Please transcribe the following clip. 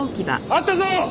あったぞ！